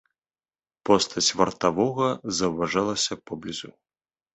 Постаць вартавога заўважалася поблізу.